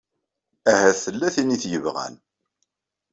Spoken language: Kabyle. Ahat tella tin i t-yebɣan.